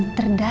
dan itu adalah